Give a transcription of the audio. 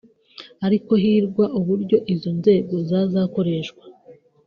ariko higwa uburyo izo nzego zazakoreshwa